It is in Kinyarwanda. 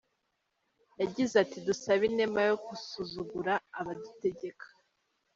Yagize, ati “Dusabe inema yo gusuzugura abadutegeka”.